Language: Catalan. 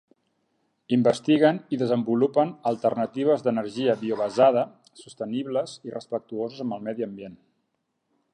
Investiguen i desenvolupen alternatives d'energia biobasada sostenibles i respectuoses amb el medi ambient.